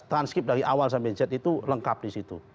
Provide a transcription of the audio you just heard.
transkip dari awal sampai z itu lengkap di situ